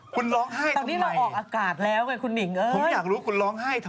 คุณร้องไห้ทำไมผมอยากรู้คุณร้องไห้ทำไมคุณหนิงตอนนี้เราออกอากาศแล้ว